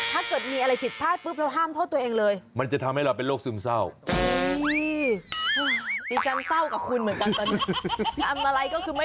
ให้เราทำอย่างไรคะ